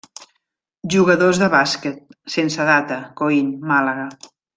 Jugadors de bàsquet, sense data, Coín, Màlaga.